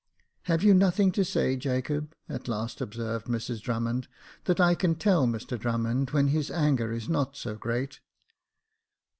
" Have you nothing to say, Jacob," at last observed Mrs Drummond, " that I can tell Mr Drummond when his anger is not so great